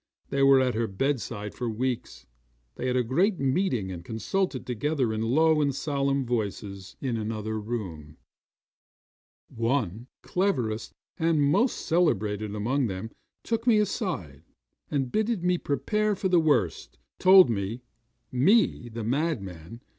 They were at her bedside for weeks. They had a great meeting and consulted together in low and solemn voices in another room. One, the cleverest and most celebrated among them, took me aside, and bidding me prepare for the worst, told me me, the madman!